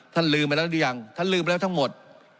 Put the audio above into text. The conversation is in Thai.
ลืมไปแล้วหรือยังท่านลืมแล้วทั้งหมด